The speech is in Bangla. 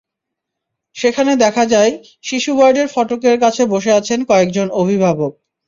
সেখানে দেখা যায়, শিশু ওয়ার্ডের ফটকের কাছে বসে আছেন কয়েকজন অভিভাবক।